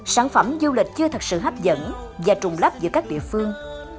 sản phẩm du lịch chưa thật sự hấp dẫn và trùng lắp giữa các địa phương